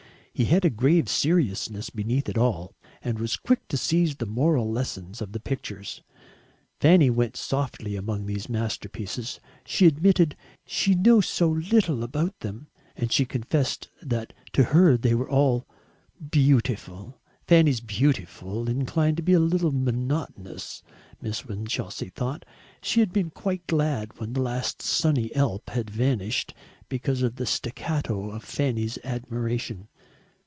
He had a grave seriousness beneath it all, and was quick to seize the moral lessons of the pictures. Fanny went softly among these masterpieces; she admitted "she knew so little about them," and she confessed that to her they were "all beautiful." Fanny's "beautiful" inclined to be a little monotonous, Miss Winchelsea thought. She had been quite glad when the last sunny Alp had vanished, because of the staccato of Fanny's admiration.